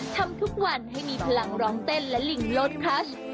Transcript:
ทำทุกวันให้มีพลังร้องเต้นและลิงโลดคลัส